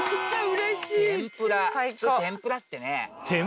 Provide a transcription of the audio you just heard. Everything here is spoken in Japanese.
普通天ぷらってね。